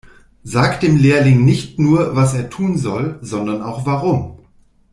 Sag dem Lehrling nicht nur, was er tun soll, sondern auch warum.